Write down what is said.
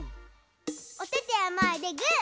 おててはまえでグー！